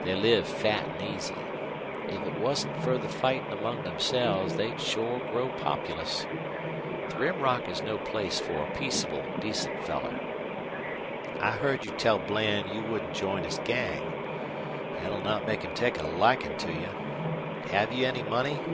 They live fat an' easy. If it wasn't fer the fightin' among themselves they'd shore grow populous. The Rim Rock is no place for a peaceable, decent feller. I heard you tell Bland you wouldn't join his gang. Thet'll not make him take a likin' to you. Have you any money?"